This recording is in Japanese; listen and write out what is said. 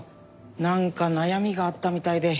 なんか悩みがあったみたいで。